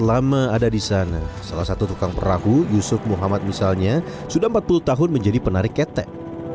lama ada di sana salah satu tukang perahu yusuf muhammad misalnya sudah empat puluh tahun menjadi penarik ketek